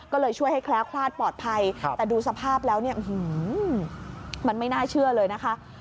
ก็เลยช่วยให้แคล้วคลาดปลอดภัยแต่ดูสภาพแล้วเนี่ยมันไม่น่าเชื่อเลยนะคะ